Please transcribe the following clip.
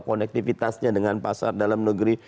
konektivitasnya dengan pasar dalam negeri